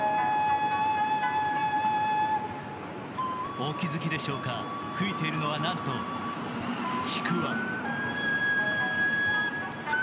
お気づきでしょうか、吹いているのはなんと、ちくわ。